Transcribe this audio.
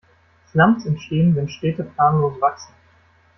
Slums entstehen, wenn Städte planlos wachsen.